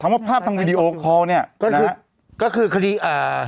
ว่าภาพทางวีดีโอคอลเนี่ยก็คือก็คือคดีอ่า